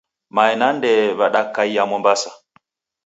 Mae na ndee w'adakaia Mombasa.